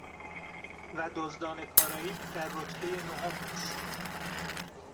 و دزدان کاراییب در رتبه نهم است